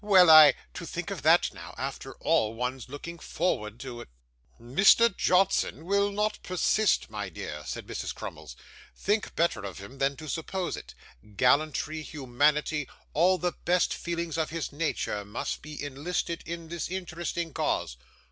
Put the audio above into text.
Well, I to think of that now, after all one's looking forward to it!' 'Mr. Johnson will not persist, my dear,' said Mrs. Crummles. 'Think better of him than to suppose it. Gallantry, humanity, all the best feelings of his nature, must be enlisted in this interesting cause.